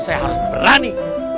saya harus berani